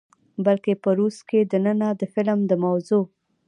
بلکې په روس کښې دننه د فلم د موضوع،